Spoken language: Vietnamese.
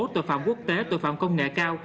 tội phạm quốc tế tội phạm công nghệ cao